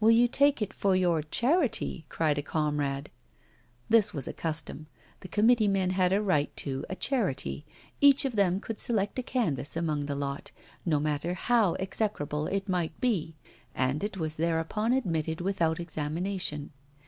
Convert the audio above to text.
'Will you take it for your "charity"?' cried a comrade. This was a custom; the committee men had a right to a 'charity'; each of them could select a canvas among the lot, no matter how execrable it might be, and it was thereupon admitted without examination.